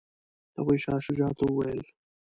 هغوی شاه شجاع ته وویل.